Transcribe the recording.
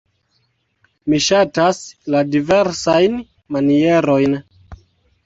Mi ŝatas la diversajn manierojn.